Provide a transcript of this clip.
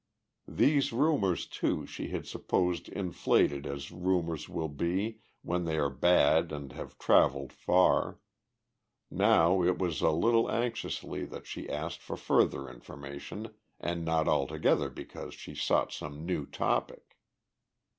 These rumours, too, she had supposed inflated as rumours will be when they are bad and have travelled far. Now it was a little anxiously that she asked for further information, and not altogether because she sought some new topic.